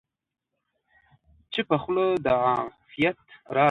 چپه خوله، د عافیت راز دی.